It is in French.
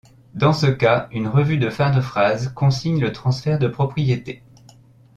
Dans ce cas une revue de fin de phase consigne le transfert de propriété.